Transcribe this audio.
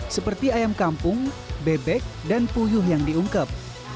seperti ayam kampung bebek dan puyuh yang diungkep